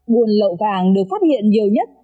quyền lượng vàng được phát hiện nhiều nhất